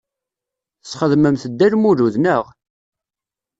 Tesxedmemt Dda Lmulud, naɣ?